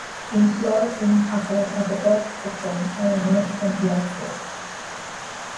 Inflorescences occur at the top of the stem or emerge from the axils.